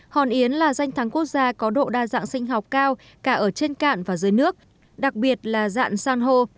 hòn yến là danh thắng quốc gia có độ đa dạng sinh học cao cả ở trên cạn và dưới nước đặc biệt là dạng san hô